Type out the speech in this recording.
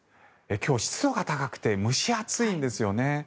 今日、湿度が高くて蒸し暑いんですよね。